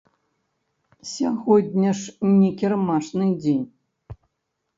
Сягоння ж не кірмашны дзень.